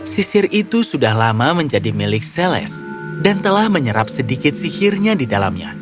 sisir itu sudah lama menjadi milik celes dan telah menyerap sedikit sihirnya di dalamnya